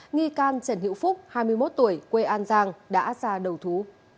nghi can trần hữu phúc hai mươi một tuổi quê an giang đã ra đầu thú